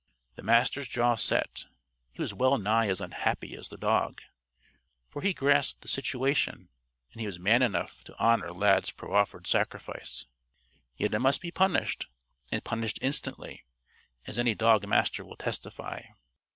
The Master's jaw set. He was well nigh as unhappy as the dog. For he grasped the situation, and he was man enough to honor Lad's proffered sacrifice. Yet it must be punished, and punished instantly as any dog master will testify.